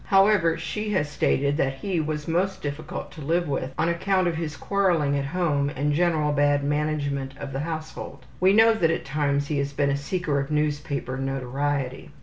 However, she has stated that he was most difficult to live with on account of his quarreling at home and general bad management of the household. We know that at times he has been a seeker of newspaper notoriety.